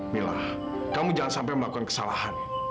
mila kamu jangan sampai melakukan kesalahan